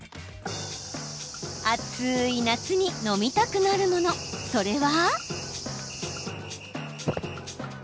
暑い夏に飲みたくなるものそれは。